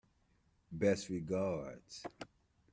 Best regards.